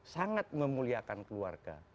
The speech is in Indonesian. sangat memuliakan keluarga